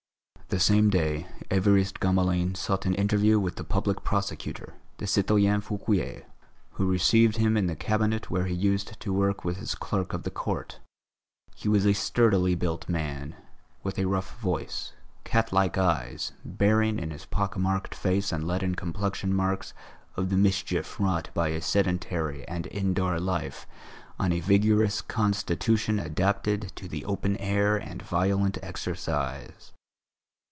The same day Évariste Gamelin sought an interview with the Public Prosecutor, the citoyen Fouquier, who received him in the Cabinet where he used to work with his clerk of the court. He was a sturdily built man, with a rough voice, catlike eyes, bearing in his pock marked face and leaden complexion marks of the mischief wrought by a sedentary and indoor life on a vigorous constitution adapted to the open air and violent exercise.